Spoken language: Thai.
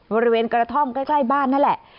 บริเวณกระท่อมใกล้บ้านนั่นแหละ